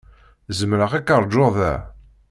Zemreɣ ad k-ṛjuɣ da?